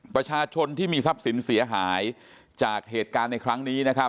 ประชาชนที่มีทรัพย์สินเสียหายจากเหตุการณ์ในครั้งนี้นะครับ